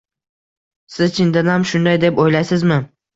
-Siz chindanam shunday deb o’ylaysizmi?